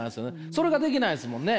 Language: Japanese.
それができないんですもんね？